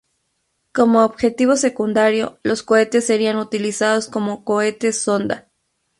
Como objetivo secundario, los cohetes serían utilizados como cohetes sonda.